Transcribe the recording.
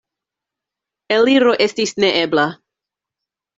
Eliro estis neebla.